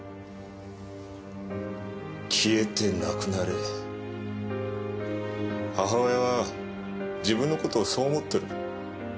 消えてなくなれ母親は自分の事をそう思ってる。